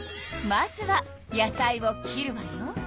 まずは野菜を切るわよ。